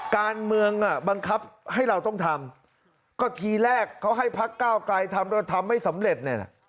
การเมืองบังคับให้เราต้องทำก็ทีแรกเขาให้พักก้าวไกลทำแล้วทำไม่สำเร็จเนี่ยนะ